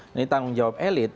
ini tanggung jawab elit